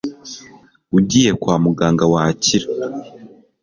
ugiye kwa muganga, wakira